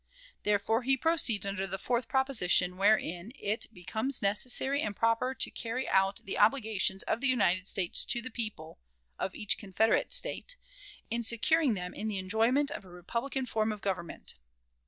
Therefore he proceeds under the fourth proposition, wherein it "becomes necessary and proper to carry out the obligations of the United States to the people" of each Confederate State, "in securing them in the enjoyment of a republican form of government."